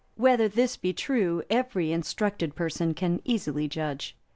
(295) Whether this be true, every instructed person can easily judge.